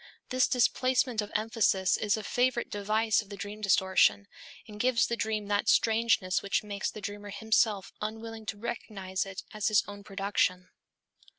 This displacement of emphasis is a favorite device of the dream distortion and gives the dream that strangeness which makes the dreamer himself unwilling to recognize it as his own production.